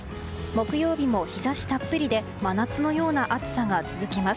木曜日も日差したっぷりで真夏のような暑さが続きます。